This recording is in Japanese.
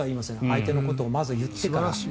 相手のことをまず言ってから。